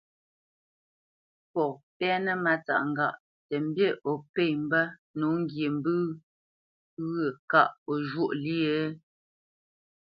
Fɔ pɛ́nə Mátsáʼ ŋgâʼ tə mbî o pê mbə̂ nǒ ŋgi mbə̂ ghyə̂ kâʼ o zhwóʼ lyê?